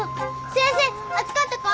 先生熱かったか？